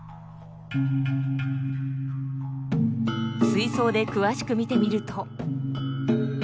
水槽で詳しく見てみると。